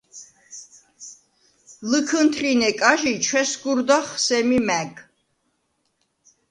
ლჷქჷნთრინე კაჟი ჩვესგურდახ სემი მა̈გ.